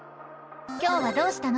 今日はどうしたの？